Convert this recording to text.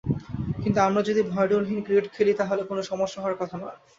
কিন্তু আমরা যদি ভয়ডরহীন ক্রিকেট খেলি, তাহলে কোনো সমস্যা হওয়ার কথা নয়।